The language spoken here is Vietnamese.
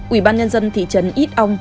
ubnd thị trấn ít ong